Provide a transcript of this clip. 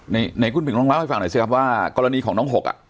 ไหนคุณผิงลองเล่าให้ฟังหน่อยสิครับว่ากรณีของน้องหกอ่ะ